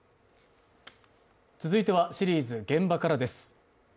続いてはシリーズ「現場から」です。